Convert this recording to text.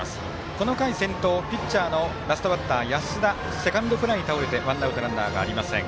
この回、先頭、ピッチャーのラストバッター、安田セカンドフライに倒れてワンアウトランナー、ありません。